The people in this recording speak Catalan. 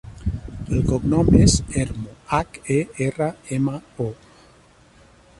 El cognom és Hermo: hac, e, erra, ema, o.